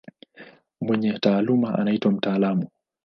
Mwenye taaluma anaitwa mtaalamu.